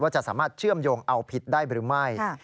จะสามารถเชื่อมโยงเอาผิดได้หรือไม่